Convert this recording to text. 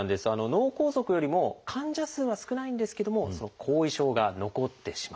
脳梗塞よりも患者数は少ないんですけどもその後遺症が残ってしまう。